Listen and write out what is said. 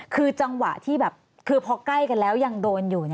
คือจังหวะที่แบบคือพอใกล้กันแล้วยังโดนอยู่